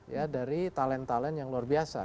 ya dari talent talent yang luar biasa